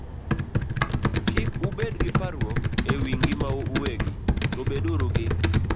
"Kik ubed gi parruok e wi ngimau uwegi, to beduru gi